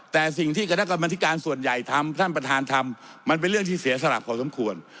แต่สิ่งที่คณะกรรมธิการส่วนใหญ่ทำท่านประธานทำมันเป็นเรื่องที่เสียสละพอสมควร